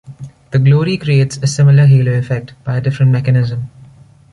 The glory creates a similar halo effect by a different mechanism.